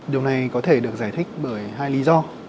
điều này có thể được giải thích bởi hai lý do